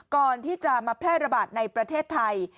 ก่อนที่จะมาแพร่ระบาดในประเทศไทย